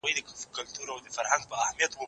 زه هره ورځ د کتابتوننۍ سره مرسته کوم؟!